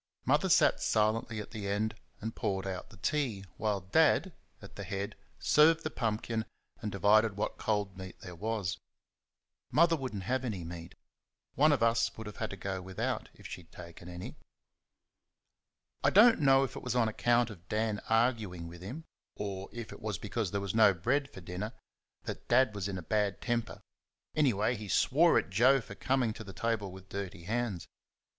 Mother sat silently at the end and poured out the tea while Dad, at the head, served the pumpkin and divided what cold meat there was. Mother would n't have any meat one of us would have to go without if she had taken any. I don't know if it was on account of Dan arguing with him, or if it was because there was no bread for dinner, that Dad was in a bad temper; anyway, he swore at Joe for coming to the table with dirty hands.